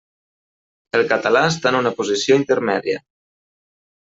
El català està en una posició intermèdia.